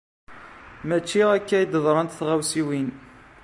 Maci akka ay d-ḍrant tɣawsiwin.